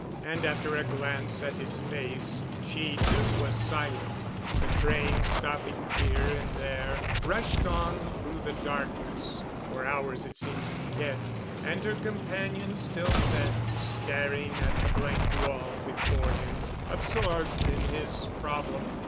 And after a glance at his face, she too was silent. The train, stopping here and there, rushed on through the darkness, for hours it seemed to Piquette, and her companion still sat, staring at the blank wall before him, absorbed in his problem.